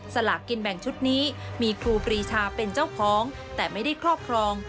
สลากกินแบ่งชุดนี้มีครูปรีชาเป็นเจ้าของแต่ไม่ได้ครอบครอง